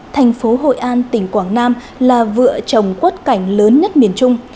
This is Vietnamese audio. tp hội an tỉnh quảng nam là vựa trồng quất cảnh lớn nhất miền trung